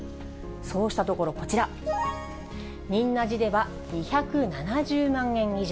そうしたところ、こちら、仁和寺では２７０万円以上。